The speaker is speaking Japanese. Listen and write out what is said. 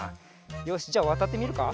よしじゃわたってみるか？